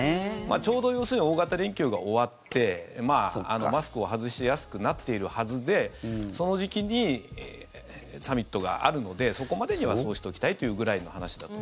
ちょうど、要するに大型連休が終わってマスクを外しやすくなっているはずでその時期にサミットがあるのでそこまでにはそうしておきたいというぐらいの話だと。